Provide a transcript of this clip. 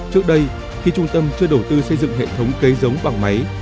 trước đây khi trung tâm chưa đầu tư xây dựng hệ thống cây giống bằng máy